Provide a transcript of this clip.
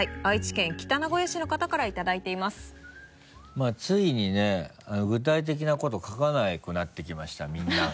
まぁついにね具体的なこと書かなくなってきましたみんなが。